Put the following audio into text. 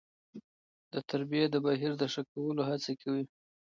د تربيې د بهیر د ښه کولو هڅه کوي.